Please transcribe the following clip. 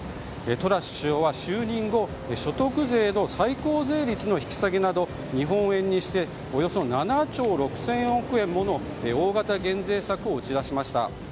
トラス首相は就任後所得税の最高税率の引き下げなど日本円にしておよそ７兆６０００億円もの大型減税策を打ち出しました。